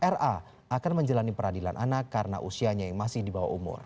ra akan menjalani peradilan anak karena usianya yang masih di bawah umur